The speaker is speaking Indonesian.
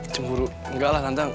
cemburu enggak lah tante